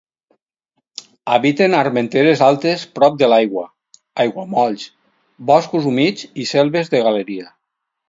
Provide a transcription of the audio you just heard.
Habiten armenteres altes prop de l'aigua, aiguamolls, boscos humits i selves de galeria.